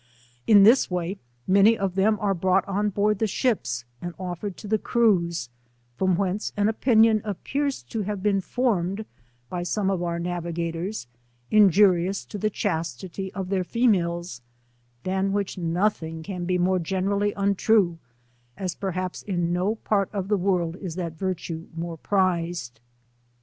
In this way many of them are brought on board the ships and offered to 4he crews, from whence an opi nion appears to have been formed by some of our navigators, injurious to the chastity of their fe iimles, than which nothing can be more generally untrue, as perhaps in no part of the world is that virt'je more prized.